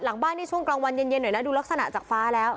หลังบ้านนี่ช่วงกลางวันเย็นหน่อยนะดูลักษณะจากฟ้าแล้ว